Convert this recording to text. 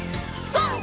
ＧＯ！